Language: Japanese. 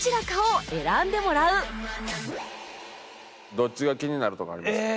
どっちが気になるとかありますか？